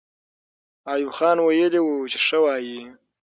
ایوب خان ویلي وو چې ښه وایي.